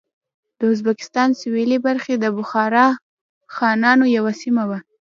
د ازبکستان سوېلې برخې د بخارا خانانو یوه سیمه وه.